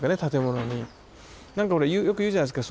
何かほらよく言うじゃないすか。